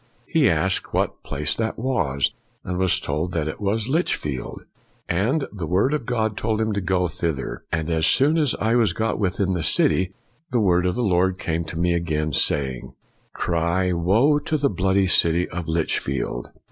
r He asked what place that was, and was told that it was Lichfield. And the Word of the Lord told him to go thither. " And as soon as I was got within the city, the Word of the Lord came to me again, saying, ' Cry, woe to the bloody city of Lichfield!'